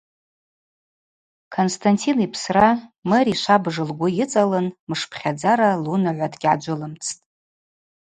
Константин йпсра Мери швабыж лгвы йыцӏалын мышпхьадзара лунагӏва дгьгӏаджвылымцӏтӏ.